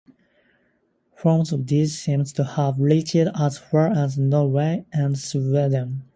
Forms of these seem to have reached as far as Norway and Sweden.